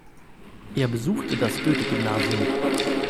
Er besuchte das Goethe-Gymnasium.